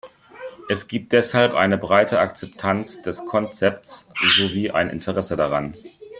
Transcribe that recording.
Es gibt deshalb eine breite Akzeptanz des Konzepts sowie ein Interesse daran.